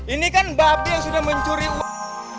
ini kan babi yang sudah mencuri uang